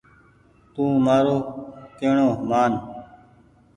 تو مآرو ڪيهڻو مان ۔